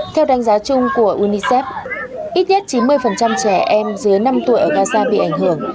theo đánh giá chung của unicef ít nhất chín mươi trẻ em dưới năm tuổi ở gaza bị ảnh hưởng